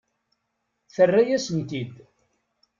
Terra-yas-tent-id.